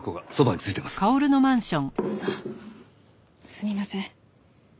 すみません。